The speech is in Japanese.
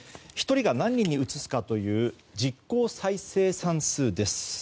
１人が何人にうつすかという実効再生産数です。